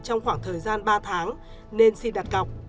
trong khoảng thời gian ba tháng nên xin đặt cọc